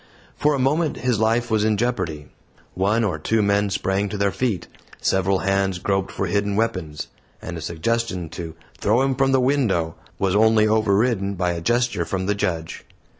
For a moment his life was in jeopardy. One or two men sprang to their feet, several hands groped for hidden weapons, and a suggestion to "throw him from the window" was only overridden by a gesture from the Judge.